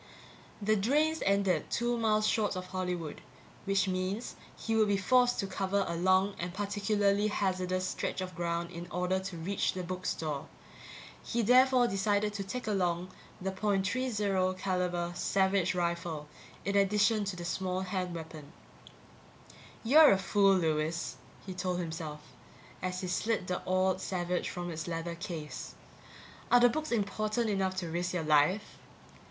The drains ended two miles short of Hollywood which means he would be forced to cover a long and particularly hazardous stretch of ground in order to reach the book store. He therefore decided to take along the .30 caliber Savage rifle in addition to the small hand weapon. You're a fool, Lewis, he told himself, as he slid the oiled Savage from its leather case. Are the books important enough to risk your life?